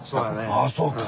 ああそうか。